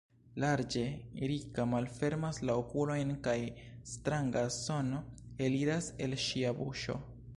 Larĝe Rika malfermas la okulojn kaj stranga sono eliras el ŝia buŝo.